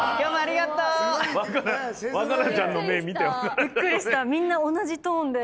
びっくりした。